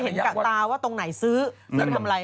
แต่นี่ไม่เคยเห็นกระตาว่าตรงไหนซื้อซื้อทำไร